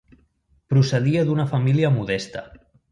Procedia d'una família modesta.